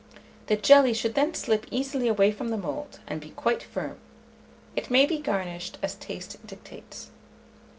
The jelly should then slip easily away from the mould, and be quite firm. It may be garnished as taste dictates.